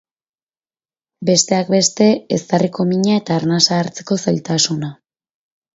Besteak beste, eztarriko mina eta arnasa hartzeko zailtasuna.